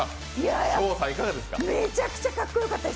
めちゃくちゃかっこよかったです